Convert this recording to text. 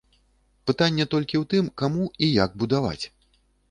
Пытанне толькі ў тым, каму і як будаваць.